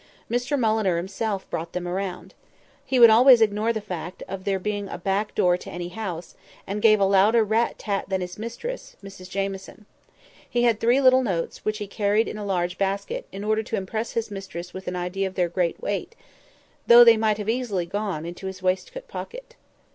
Mr Mulliner himself brought them round. He would always ignore the fact of there being a back door to any house, and gave a louder rat tat than his mistress, Mrs Jamieson. He had three little notes, which he carried in a large basket, in order to impress his mistress with an idea of their great weight, though they might easily have gone into his waistcoat pocket.